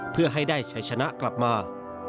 เพื่อให้ได้ชัยชนะกลับมา